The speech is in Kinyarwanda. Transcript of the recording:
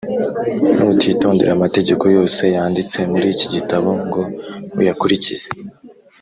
Nutitondera amategeko yose yanditse muri iki gitabo ngo uyakurikize,